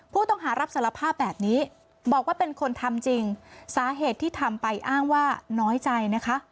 ผู้ต้องหารับสารภาพแบบนี้บอกว่าเป็นคนทำจริงสาเหตุที่ทำไปอ้างว่าน้อยใจนะคะ